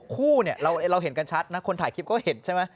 คู่เนี่ยเราเห็นกันชัดนะคนถ่ายคลิปก็เห็นใช่ไหม